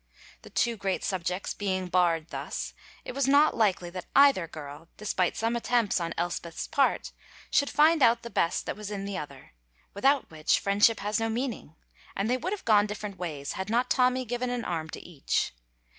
The two great subjects being barred thus, it was not likely that either girl, despite some attempts on Elspeth's part, should find out the best that was in the other, without which friendship has no meaning, and they would have gone different ways had not Tommy given an arm to each.